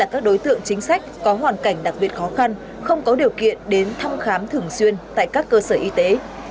chính sách có hoàn cảnh đặc biệt khó khăn không có điều kiện đến thăm khám thường xuyên tại các cơ sở y tế